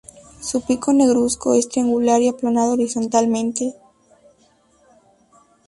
Su pico negruzco es triangular y aplanado horizontalmente.